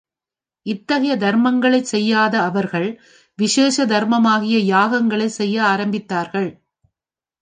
இத்தகைய தர்மங்களைச் செய்யாத அவர்கள் விசேஷ தர்மமாகிய யாகங்களைச் செய்ய ஆரம்பித்தார்கள்.